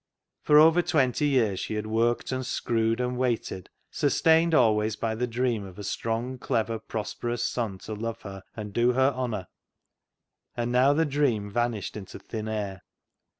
For over twenty years she had worked and screwed and waited, sustained always by the dream of a strong, clever, prosperous son to love her and do her honour, and now the dream vanished into thin air.